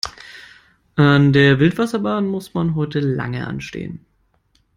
An der Wildwasserbahn muss man heute lange anstehen.